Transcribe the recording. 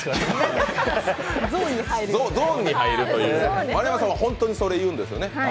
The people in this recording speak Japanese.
ゾーンに入るという、丸山さんはホントそれ言うんですよね。